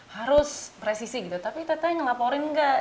harus presisi gitu tapi tete ngelaporin nggak